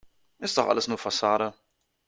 Ist doch alles nur Fassade.